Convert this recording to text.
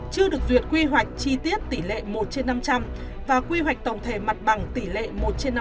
chưa được duyệt quy hoạch chi tiết tỷ lệ một trên năm trăm linh và quy hoạch tổng thể mặt bằng tỷ lệ một trên năm mươi